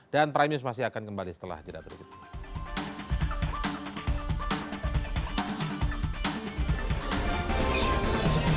dan prime news masih akan kembali setelah jeda berikutnya